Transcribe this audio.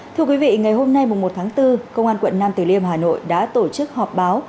thưa quý vị ngày hôm nay một tháng bốn công an quận nam tử liêm hà nội đã tổ chức họp báo